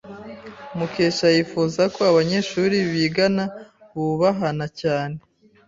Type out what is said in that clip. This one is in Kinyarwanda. Mukesha yifuzaga ko abanyeshuri bigana bubahana cyane.